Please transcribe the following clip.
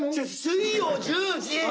水曜１０時。